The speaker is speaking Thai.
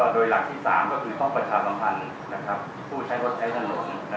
โดยหลักที่๓ก็คือห้องประชาสัมพันธ์ผู้ใช้รถใช้ถนน